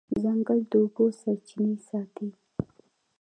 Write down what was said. ځنګل د اوبو سرچینې ساتي.